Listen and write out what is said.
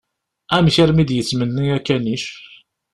Amek armi i d-yettmenni akanic?